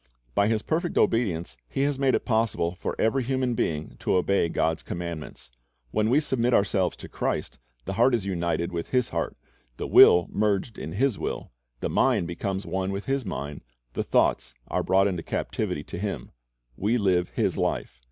"^ By His perfect obedience He has make it possible for every human being to obey God's commandments. When we submit ourselves to Christ, the heart is united with His heart, the will is merged in His will, the mind becomes one with His mind, the thoughts are brought into captivity to Him; we live His life.